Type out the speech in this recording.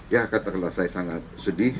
ya katakanlah saya sangat sedih